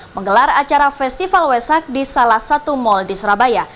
menggelar acara festival wasak di salah satu mal di surabaya